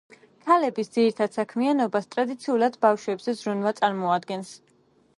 ქალების ძირითად საქმიანობას ტრადიციულად ბავშვებზე ზრუნვა წარმოადგენს.